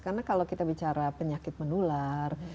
karena kalau kita bicara penyakit menular